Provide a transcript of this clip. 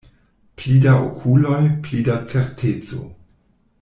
Pli da okuloj, pli da certeco.